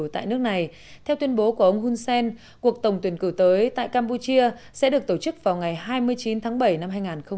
theo tuyên bố của ông hun sen cuộc tổng tuyển cử tới campuchia sẽ được tổ chức vào ngày hai mươi chín tháng bảy năm hai nghìn một mươi tám